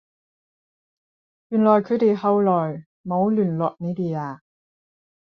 原來佢哋後來冇聯絡你哋呀？